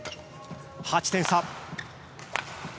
８点差。